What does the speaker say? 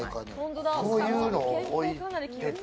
こういうのを置いてて、